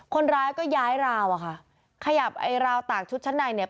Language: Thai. คนร้ายก็ย้ายราวอะค่ะขยับไอ้ราวตากชุดชั้นในเนี่ย